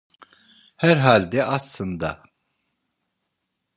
Herhalde açsın da!